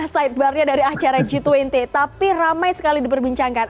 sidebarnya dari acara g dua puluh tapi ramai sekali diperbincangkan